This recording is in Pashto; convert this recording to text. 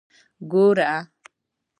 ګوره.